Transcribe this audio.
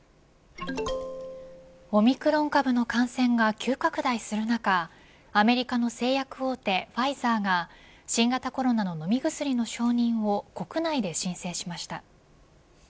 オミクロン株の感染が急拡大する中アメリカの製薬大手ファイザーが新型コロナの飲み薬の承認を国内で申請しました。